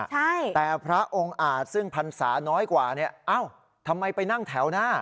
ใช่แต่พระองค์อาจซึ่งพรรษาน้อยกว่าเนี่ยเอ้าทำไมไปนั่งแถวหน้า